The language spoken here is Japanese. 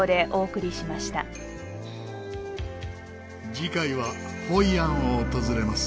次回はホイアンを訪れます。